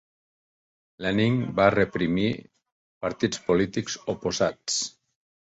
Lenin va reprimir partits polítics oposats.